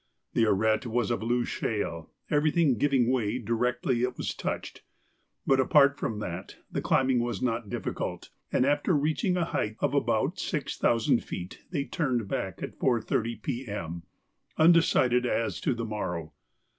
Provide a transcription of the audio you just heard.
The arête was of loose shale, everything giving way directly it was touched, but, apart from that, the climbing was not difficult, and after reaching a height of about six thousand feet they turned back at 4.30 P.M., undecided as to the morrow.